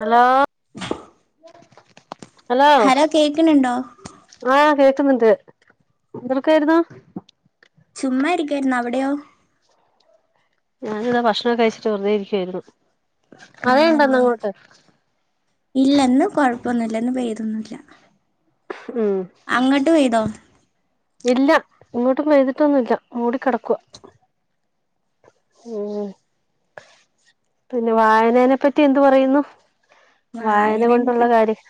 Hello [unintelligible] hello, ആഹ് കേക്കുന്നുണ്ട്, എന്തൊടുക്കായിരുന്നൂ ചുമ്മാ ഇരിക്കായിരുന്നൂ, അവിടെയോ? ഞാനിതാ ഭക്ഷണം ഒക്കെ കഴിച്ചിട്ട് വെറുതെ ഇരിക്കുവായിരുന്നു മഴയുണ്ടോ ഇന്ന് ആണല്ലേ അങ്ങോട്ട് ഇല്ലന്ന് കൊഴപ്പൊന്നുമല്ലന്ന് പെയ്തൊന്ന ഇല്ല ഉം അങ്ങോട്ട് പെയ്തോ ഇല്ല ഇങ്ങോട്ടും പെയ്തിട്ടൊന്നും ഇല്ല മൂടിക്കിടക്കുക ഉം പിന്നെ വായനേനെ പറ്റി എന്ത് പറയുന്നു വായന വായനനിപ്പ കൊണ്ടുള്ള കാര്യം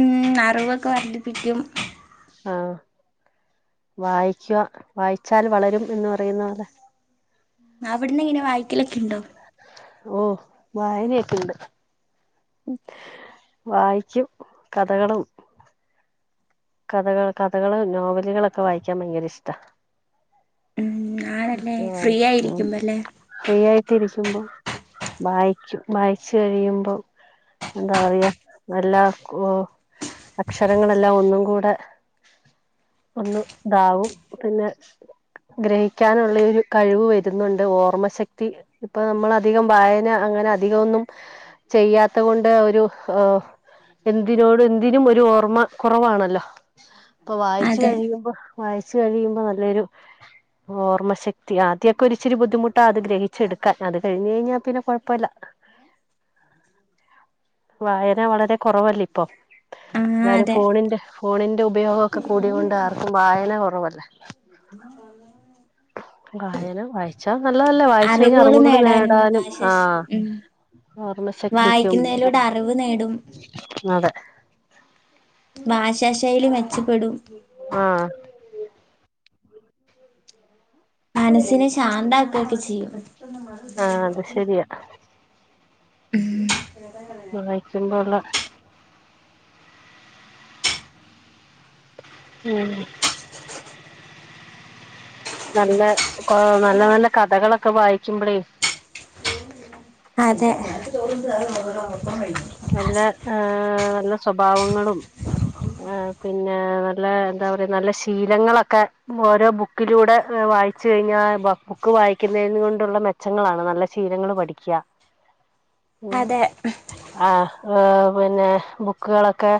ഉം അറിവൊക്കെ വർധിപ്പിക്കും ആ വായിക്കുവ വായിച്ചാൽ വളരും എന്ന് പറയുന്ന അതെ അവിടന്ന് എങ്ങനെ വായിക്കലൊക്കെ ഉണ്ടോ ഓ വായനയൊക്കെ ഇണ്ട് ഉം വായിക്കും കഥകളും കഥകൾ കഥകൾ നോവലുകളൊക്കെ വായിക്കാൻ ഭയങ്കര ഇഷ്ട ഉം ആണല്ലേ ഫ്രീ വായിക്കും ഉം ആയിരിക്കുമ്പോ അല്ലേ ഫ്രീ ആയിട്ട് ഇരി വായിക്കും വായിച്ച കഴിയുമ്പോ എന്താ പറയാ നല്ല അക്ഷരങ്ങളെല്ലാം ഒന്നും കൂടെ ഒന്ന ഇതാവും പിന്നെ ഗ്രഹിക്കാനുള്ള ഒരു കഴിവ് വരുന്നുണ്ട് ഓർമ്മശക്തി ഇപ്പൊ നമ്മൾ അധികം വായന അങ്ങനെ അധികം ഒന്നും ചെയ്യാത്ത കൊണ്ട് ഒരു എന്തിനോട് എന്തിനും ഒരു ഓർമ്മ കുറവാണല്ലോ ഇപ്പൊ വായിച്ച അതെ കഴിയുമ്പോ വായിച്ച കഴിയുമ്പോ നല്ലൊരു ഓർമ്മ ശക്തി ആദ്യമൊക്കെ ഒരു ഇച്ചിർ ബുദ്ധിമുട്ടാത് ഗ്രഹിച്ചെടുക്കാൻ അത് കഴിഞ്ഞു കഴിഞ്ഞാൽ പിന്നെ കുഴപ്പില്ല വായന വളരെ കുറവല്ലേ ഇപ്പൊ ആ എന്തായാലും അതെ ഫോണിന്റെ ഫോണിൻ്റെ റെ ഉപയോഗം കൂടൊണ്ട് ആർക്കും വായന കുറവല്ല വായന വായിച്ചാ നല്ലതല്ലേ വായിച്ച കഴിഞ്ഞാ അറിവുകൾ നേടാനും ആ ഉം ഓർമ്മശക്തിക്കും വായിക്കുന്നതിലൂടെ അറിവ് നേടും അതെ ഭാഷാ ശൈലി മെച്ചപ്പെടും ആ മനസ്സിനെ ശാന്തമാക്കെ ഒക്കെ ചെയ്യു ച [unintelligible] മാര ധാൻ ആഹ് അത് പോത്ത ശരിയാ [unintelligible] ഉം വായിക്കുമ്പോള്ള ഉം നല്ല നല്ല നല്ല കഥകളൊക്കെ വായിക്കുമ്പളേ അതെ നല്ല ഏ നല്ല സ്വഭാവങ്ങളും പിന്നെ നല്ല എന്താ പറയാ നല്ല ശീലങ്ങളൊക്കെ ഓരോ ബുക്കിലൂടെ വായിച്ചു കഴിഞ്ഞാൽ ബുക്ക് വായിക്കുന്നന് കൊണ്ടുള്ള മെച്ചങ്ങളാണ് നല്ല ശീലങ്ങൾ പഠിക്കുക അതെ ഏ പിന്നെ ബുക്കുകളൊക്കെ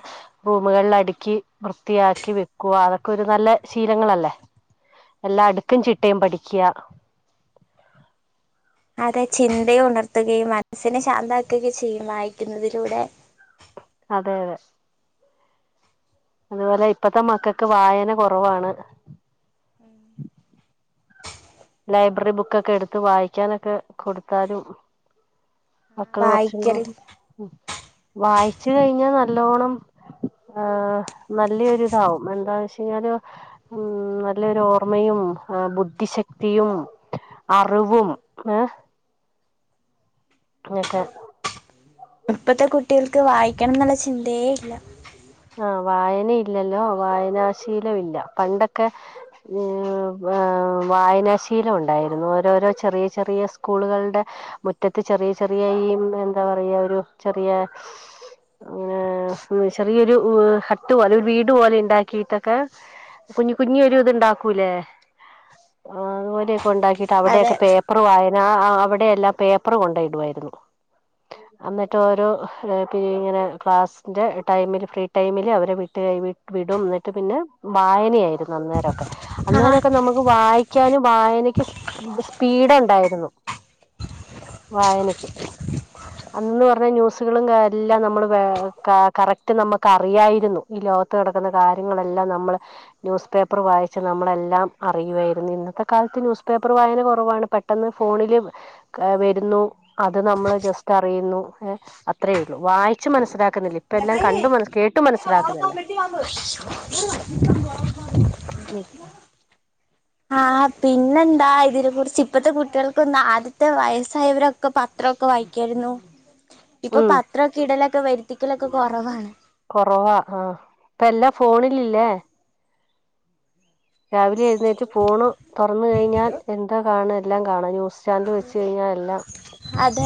റൂമുകളിൽ അടുക്കി വൃത്തിയാക്കി വെക്കുക അതൊക്കെ ഒരു നല്ല ശീലങ്ങളല്ലേ എല്ലാം അടുക്കും ചിട്ടയും പഠിക്കുക അതെ ചിന്തയെ ഉണർത്തുകയും മനസ്സിനെ ശാന്തക്കുകയും ചെയ്യും വായിക്കുന്നതിലൂടെ അതെ അതെ അതുപോലെ ഇപ്പത്തെ മക്കൾക്ക് വായന കുറവാണ് ലൈബ്രറി ബുക്കൊക്കെ എടുത്ത് വായിക്കാനൊക്കെ കൊടുത്താലും മക്കള് കുറച്ച വായിക്കറി [unintelligible] വായിച്ച് കഴിഞ്ഞ നല്ലോണം നല്ലൊരിതാവും എന്താന്ന് വെച്ച കഴിഞ്ഞാല് ഉം നല്ലരു ഓർമ്മയും ബുദ്ധിശക്തി ശക്തിയും അറിവും ഏഹ് അങ്ങൊക്കെ ഇപ്പത്തെ കുട്ടികൾക്ക് വായിക്കണം എന്നുള്ള ചിന്തയേ ഇല്ല ആ വായനയില്ലല്ലോ വായനാശീലം ഇല്ല പണ്ടൊക്കെ വായനാശീലം ഉണ്ടായിരുന്നു ഓരോരോ ചെറിയ ചെറിയ സ്കൂളുകളുടെ മുറ്റത്ത് ചെറിയ ചെറിയ ഈ എന്താ പറയാ ഒരു ചെറിയ [unintelligible] ചെിയൊരു ഹട്ട് പോലെ ഒരു വീട് പോലെ ഉണ്ടാക്കിട്ടൊക്കെ കുഞ്ഞി കുഞ്ഞി ഒരു ഇത്ണ്ടാക്കൂലേ അതുപോലെ ഉണ്ടാക്കിട്ട് അതെ അവിടെയക്കെ പേപ്പർ വായന അവിടെ എല്ലാം പേപ്പർ കൊണ്ടയിടുമായിരുന്നു എന്നിട്ട് ഓരൊ പിരിഡിങ്ങനെ ക്ലാസിന്റെ ടൈമില് ഫ്രീ ടൈമില് അവരെ വിട്ടി കൈ വിടും എന്നിട്ട് പിന്നെ വായനയായിരുന്നു അന്നേരൊക്കെ ആഹ് അന്നേരമൊക്കെ നമുക്ക് വായിക്കാനും വായനക്ക് സ്പീ സ്പീഡ് ഇണ്ടായിരുന്നു വായനക്ക് അന്ന് പറഞ്ഞ ന്യൂസുകളും കാര്യ എല്ലാം നമ്മള് കാ കറക്റ്റ് നമുക്ക് അറിയായിരുന്നു ഈ ലോകത്ത് നടക്കുന്ന കാര്യങ്ങളെല്ലാം നമ്മള് ന്യൂസ് പേപ്പറ് വായിച്ച് നമ്മളെല്ലാം അറിയുവായിരുന്നു ഇന്നത്തെ കാലത്ത് ന്യൂസ് പേപ്പറ് വായന കൊറവാണ് പെട്ടെന്ന് ഫോണിലും വരുന്നു അത് നമ്മള് ജസ്റ്റ് അറിയുന്നുഏ അത്രേയുള്ളൂ വായി കുച്ച് മനസ്സിലാക്കുന്നില്ലേ കട്ട വത്ത മിട്ടി വ [unintelligible] അ [unintelligible] ആ പിന്നെന്താ ഇതിനെ കുറിച്ച് ഇപ്പത്തെ കുട്ടികൾക്കൊന്ന ആദ്യത്തെ വയസ്സായവരക്കെ ഒക്കെ പത്രമൊക്കെ വായിക്കായിരുന്നു ഇപ്പൊ ഉം പത്രക്കിടല ഒക്കെ വരുത്തിക്കലൊക്കെ കുറവാണ് കൊറവാ ആ ഇപ്പ എല്ലാ ഫോണിലല്ലേ രാവിലെ എഴുന്നേറ്റ് ഫോണ് തുറന്ന് കഴിഞ്ഞാൽ എന്താ കാണ എല്ലാം കാണാ ബസ് സ്റ്റാൻഡ് [unintelligible] വെച്ച് കഴിഞ്ഞാൽ എല്ലാം അതെ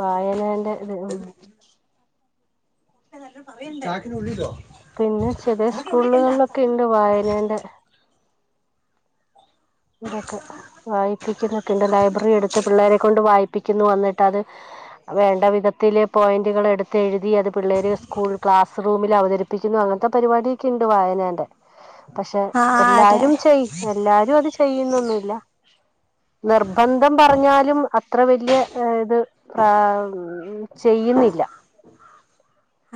വായനേന്റെ ഇത് ഉം ട്ടല്ലും ഭവയല്ല [inaudible] [unintelligible] പിന്നെ ചെറിയ സ്കൂളുകളിലൊക്കെ ഇണ്ട് വായനേന്റെ ഇതൊക്കെ വായിപ്പിക്കുന്നുക്കെയിണ്ട് ലൈബ്രറി എടുത്ത് പിള്ളേരെ കൊണ്ട് വായിപ്പിക്കുന്നു അന്നിട്ട് അത് വേണ്ട വിധത്തില് പോയിന്റുകൾ എടുത്ത് എഴുതി അത് പിള്ളേര് സ്കൂൾ ക്ലാസ് റൂമില് അവതരിപ്പിക്കുന്നു അങ്ങനത്തെ പരിപാടിയൊക്കെ ഇണ്ട് വായനേന്റെ പക്ഷെ ആഹ് അതെ എല്ലാരും ചെയ്യ എല്ലാരും അത് ചെയ്യ ചെയ്യുന്നൊന്നുവില്ല നിർബന്ധം പറഞ്ഞാലും അത അത്ര വല്ല്യ ഏ ഇത് പ്രാ മം ചെയ്യുന്നില്ല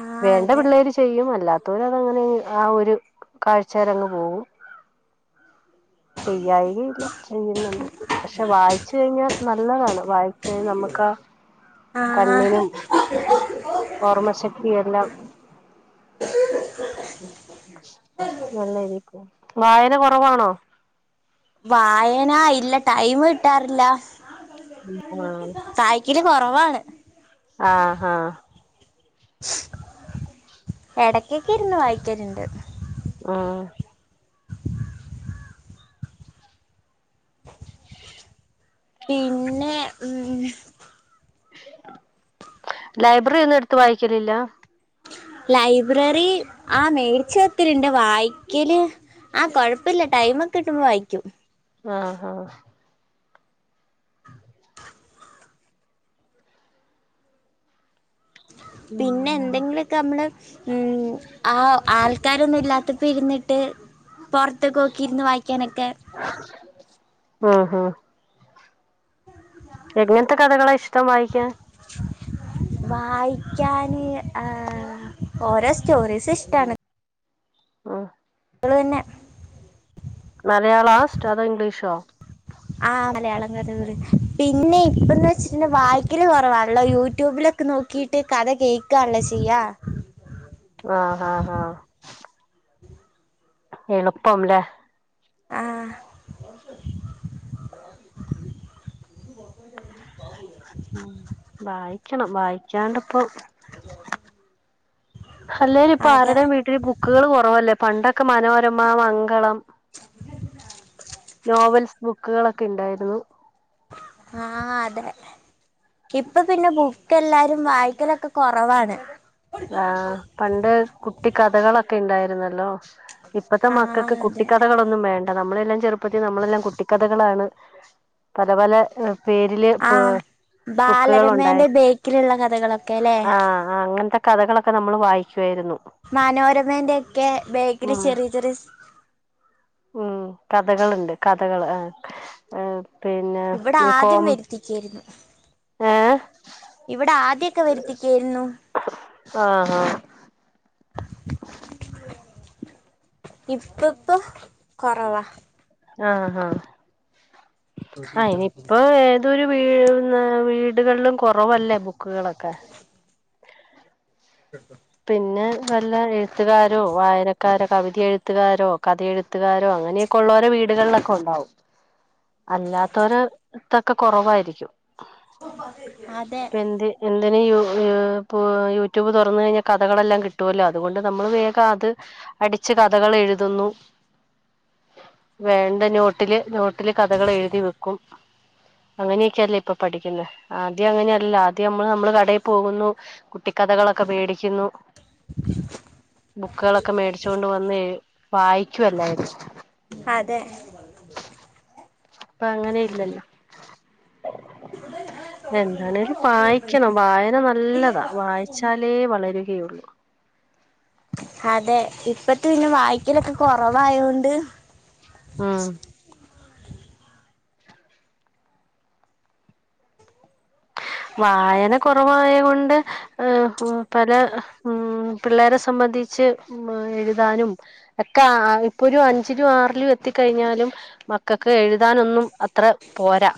ആഹ് വേണ്ട അതെ പിള്ളേര് ചെയ്യും അല്ലാത അത്തൂര അതങ്ങനെ അങ്ങ് ആ ഒരു കാഴ്ച്ചേലങ്ങ് പോവും ചെയ്യായികയില്ല ചെയ്യുന്നുണ്ട് പക്ഷെ വായിച്ച് കഴിഞ്ഞാൽ നല്ലതാണ് വായിച്ചാൽ നമുക്ക് ആഹ് കണ്ണിനും ഓർമ്മ ശക്തി എല്ലാം നല്ലയിരിക്കും വായന കൊറവാണോ വായന ഇല്ല ടൈമ് കിട്ടാറില്ല ആ ക്കല് കൊറവാണ് ആഹ് ഹാ എടക്കൊക്കെ ഇര്ന്ന് വായിക്കര്ണ്ട്. ആഹ് പിന്നെ. ഉമ് ലൈബ്രറി ഒന്നും എടുത്ത് വായിക്കലില്ലാ? ലൈബ്രറി ആ മേടിച്ച ഒത്തിരിണ്ട്. വായിക്കല് ആ കൊഴപ്പില്ല. ടൈമൊക്കെ കിട്ടുമ്പോ വായിക്കും. ആഹ് ഹാ പിന്നെ ഉം എന്തെങ്കിലൊക്കെ മ്മള് ഉം ആ ആൾക്കാരൊന്നും ഇല്ലാത്തപ്പോ ഇര്ന്നിട്ട് പൊറത്ത്ക്കോക്കിരിന്ന് വായിക്കാനൊക്കെ ആഹ് ഹ എങ്ങൻത്തെ കഥകളാ ഇഷ് ടം വായ്ക്കാൻ? വായിക്കാന് ഏഹ് ഓരോ സ്റ്റോറീസ് ഇഷ്ടാണ്. ആഹ് ള് പിന്നെ മലയാളാ ഷ്ടം? അതോ ഇംഗ്ലീഷോ? ആ മലയാളം കഥകള് പിന്നെ ഇപ്പന്ന്വെച്ചിട്ടണ്ട വായ്ക്കല് കൊറവാണ്ല്ലോ യൂട്യൂബിലൊക്കെ നോക്കിട്ട് കഥ കേൾക്കാൺല്ലോ ചെയ്യാ. ആഹ് ഹാ ഹാ എളുപ്പം ല്ലേ ആഹ് ഉം വായിക്കണം. വായിക്കാണ്ട് അപ്പൊ അല്ലേല് ഇപ്പ അതെ ആരുടെം വീട്ടില് ബുക്കുകൾ കുറവല്ലേ പണ്ടൊക്കെ മനോരമാ മംഗളം നോവൽസ് ബുക്കുകളൊക്കെ ഇണ്ടായിരുന്നു ആ അതെ കിപ്പൊ പിന്നെ ബു ക്ക് എല്ലാരും വായിക്കലെക്കെ കൊറവാണ് ആ പണ്ട് കുട്ടിക്കഥകളൊക്കെ ഇണ്ടായിരുന്ന ലോ ഇപ്പത്തെ ആഹ് മക്കക്ക് അതെ കുട്ടിക്കഥകളൊന്നും വേണ്ട നമ്മളെല്ലാം ചെറുപ്പത്തിൽ നമ്മളെല്ലാം കുട്ടിക്കഥകളാണ് പല പല പേരില് ആ ഇപ്പൊ ബുക്കുകൾ ഉണ്ടായി ബാലരമേന്റെ ബേക്കിലുള്ള കഥകളൊക്കേല്ലേ ആഹ് അങ്ങനത്തെ കഥകളൊക്കെ നമ്മള് വായിക്കുവായിരുന്നു മനോരമന്റെ ഒക്കെ ബേക്കില് ഉം ചെറിയ ചെറിയ ഉം കഥകളുണ്ട് കഥകൾ ആ ആ ഇവിടെ ആദ്യം വരുത്തിക്കയായിരുന്നു ഏഹ് ഇവിടെ ആദ്യൊക്കെ വരുത്തിക്കായിരുന്നു ആഹ് ആഹ് ഇപ്പത്ത കുറവാ ആഹ് ആഹ് ആ ഇനിയിപ്പൊ ഏതൊരു വീഴ്ന്ന വീടുകളിലും കുറവല്ലേ ബൂ ക്കുകളൊക്കെ [unintelligible] പിന്നെ വല്ല എഴുത്തുകാരോ വായനക്കാരോ കവിത എഴുത്തുകാരോ കഥെഴു ത്തുകാരോ അങ്ങനെയൊക്കെ ഉള്ളൂരെ വീടുകളില കൊണ്ടാവും അല്ലാത്തൊരു ത ഒക്കെ കുറവായിരിക്കും അതെ അതിന് യു പു യൂട്യൂബ് തുറന്ന് കഴിഞ്ഞാ കഥകളെല്ലാം കിട്ടുമല്ലോ അതുകൊണ്ട് നമ്മൾ വേഗം അത് അടിച്ച് കഥകൾ എഴുതുന്നു വേണ്ട നോ ട്ടില് നോട്ടില് കഥകൾ എഴുതി വെക്കും അങ്ങനെയൊക്കെയല്ലേ ഇപ്പൊ പഠിക്കുന്നത് ആദ്യം അങ്ങനെയല്ല ആദ്യം നമ്മൾ നമ്മള് കടയിൽ പോകുന്നു കുട്ടിക്കഥകളൊക്കെ വേടി ക്കുന്നു ബുക്കുകളൊക്കെ മേടിച്ചു കൊണ്ട് വന്ന് ഏഴ് വായിക്കുവല്ലായിരുന്നു അതെ ഇപ്പ അങ്ങനെ ഇല്ലല്ലോ എന്താണേലും വായിക്കണം വായന നല്ലതാ വായിച്ചാലേ വളരു കേയുള്ളൂ അതെ ഇ ഇപ്പളത്തെ പിന്നെ വായിക്കലൊക്കെ കൊറവായൊണ്ട് ഉം വായന കുറവായ കൊണ്ട് ഏഹ് പല ഉം പിള്ളേരെ സംബന്ധിച്ച് എഴുതാനും ഒക്കെ ഇപ്പൊ ഒരു അഞ്ചിലും ആറിലും എത്തിക്കഴിഞ്ഞാലും മക്കൾക്ക് എഴുതാനൊന്നും അത്ര പോരാ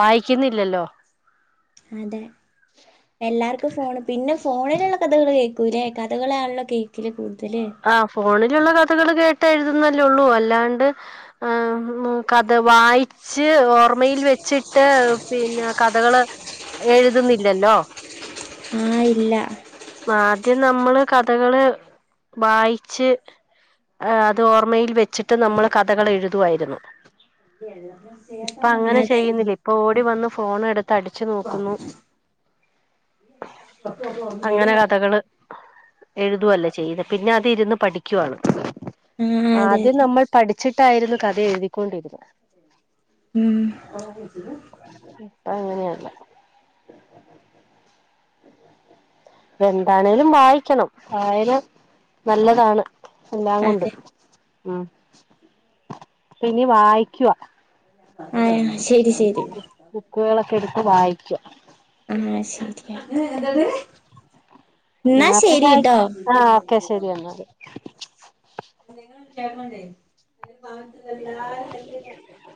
വായിക്കുന്നില്ലല്ലോ അതെ എല്ലാർക്കും ഫോണ് പിന്നെ സ്‌ ഫോണിലുള്ള കഥകള് കേക്കൂലേ കഥകളാണല്ലോ കേക്കില് കൂടു ആ ഫോണിലുള്ള ക [unintelligible] കഥകൾ കേട്ട എഴുതുന്നല്ലേള്ളൂ അല്ലാണ്ട് കഥ വായിച്ച് ഓർമ്മയിൽ വെച്ചിട്ട് പിന്നെ കഥകള് എഴുതുന്നില്ലല്ലോ ആ ഇല്ല ആദ്യം നമ്മള് കഥകള് വായിച്ച് അത് ഓർമയിൽ വെ വച്ചിട്ട് നമ്മൾ കഥകൾ എഴുതുയിരുന്നു ഇപ്പൊ അങ്ങനെ അതെ ചെയ്യുന്നില്ലേ ആഹ് ഇപ്പൊ ഓടി വന്ന് ഫോൺ എടുത്ത് അടിച്ചു നോക്കുന്നു അങ്ങനെ കഥകള് എഴുതുല്ലേ ചെയ്ത പിന്നെ അതി ഇരുന്ന് പഠി ക്കുവാണ് അതെ ആദ്യം അതെ നമ്മൾ പഠി ച്ചിട്ടായിരുന്നു കഥ എഴുതിക്കൊണ്ടിരുന്ന്. ഉം അങ്ങനെയല്ല. എന്താണേലും വായിക്കണം, വായന നല്ലതാണ്. എല്ലാംകൊണ്ടും. അതെ ഉം പ്പ ഇനി വായിക്കുവ. ആ ശരി, ശരി. വായിച്ചോ. ആഹ് ശരിയാ. ഏ ഏതാണ്? ഇന്നത്തെ കാല ആഹ് ഓക്കെ ശെരി എന്നാല്. നിങ്ങള് [unintelligible] ചെയ്യും [unintelligible] [unintelligible]